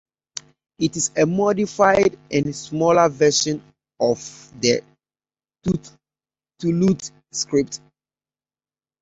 It is a modified and smaller version of the "thuluth" script.